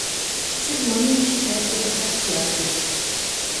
سىز مانا مۇشۇ جەھەتتە دىققەت قىلارسىز!